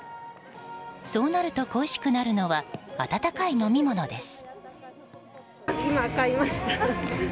そうなると恋しくなるのは温かい飲み物です。